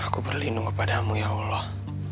aku berlindung kepada mu ya allah